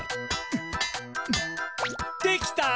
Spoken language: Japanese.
できた！